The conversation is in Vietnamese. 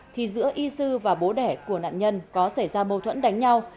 thì giữa isu và bố đẻ của nạn nhân có xảy ra bầu thuẫn đánh nhau